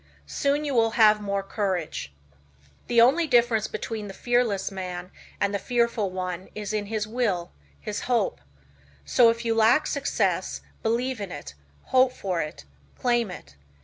Soon you will have more courage. The only difference between the fearless man and the fearful one is in his will, his hope. So if you lack success, believe in it, hope for it, claim it.